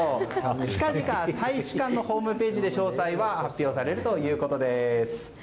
近々、大使館のホームページで詳細は発表されるということです。